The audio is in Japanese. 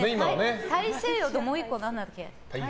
大西洋ともう１個何だっけ？